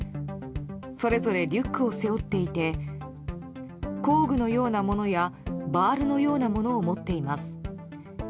それぞれリュックを背負っていて工具のようなものやバールのようなものを持っています。